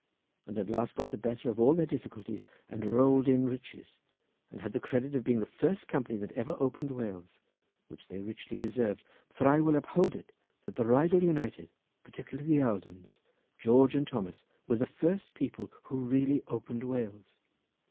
and at last got the better of all their difficulties and rolled in riches, and had the credit of being the first company that ever opened Wales, which they richly deserved, for I will uphold it that the Rheidol United, particularly the Aldens, George and Thomas, were the first people who really opened Wales.